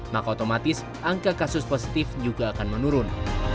maka otomatis angka kasus positif juga akan menurun